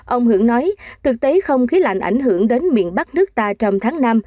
ông hưởng nói thực tế không khí lạnh ảnh hưởng đến miền bắc nước ta trong tháng năm